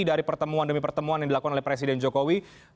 dari pertemuan demi pertemuan yang dilakukan oleh presiden jokowi